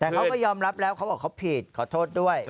แต่เขาก็ยอมรับแล้วเขาบอกเขาผิดขอโทษด้วย